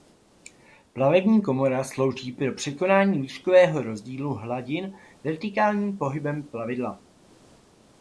Plavební komora slouží pro překonání výškového rozdílu hladin vertikálním pohybem plavidla.